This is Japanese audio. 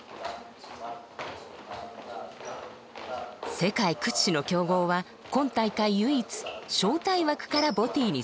世界屈指の強豪は今大会唯一招待枠からＢＯＴＹに参戦。